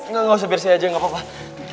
nggak nggak usah biar saya aja nggak apa apa